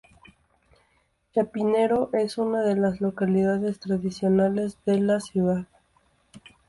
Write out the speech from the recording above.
Chapinero es una de las localidades tradicionales de la ciudad.